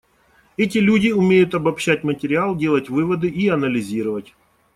Эти люди умеют обобщать материал, делать выводы и анализировать.